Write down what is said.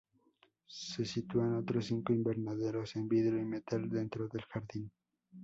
Se sitúan otros cinco invernaderos, en vidrio y metal, dentro del jardín.